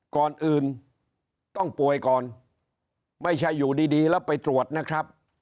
ก่อนอื่นต้องป่วยก่อนไม่ใช่อยู่ดีแล้วไปตรวจนะครับ